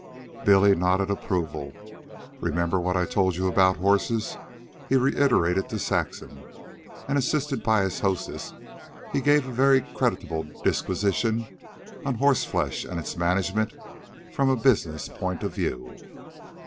Billy nodded approval. "Remember what I told you about horses," he reiterated to Saxon; and, assisted by his hostess, he gave a very creditable disquisition on horseflesh and its management from a business point of view.